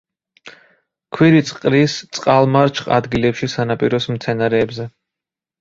ქვირითს ყრის წყალმარჩხ ადგილებში სანაპიროს მცენარეებზე.